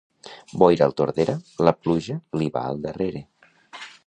Boira al Tordera, la pluja li va al darrere.